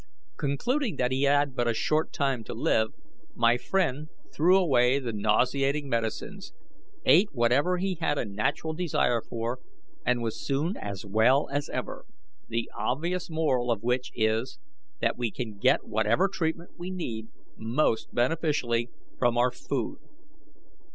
Concluding that he had but a short time to live, my friend threw away the nauseating medicines, ate whatever he had a natural desire for, and was soon as well as ever the obvious moral of which is, that we can get whatever treatment we need most beneficially from our food.